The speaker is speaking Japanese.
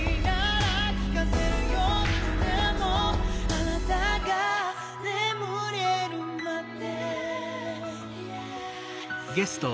「あなたが眠れるまで」